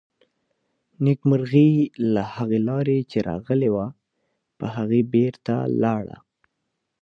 نېکمرغي له هغې لارې چې راغلې وه، په هغې بېرته لاړه.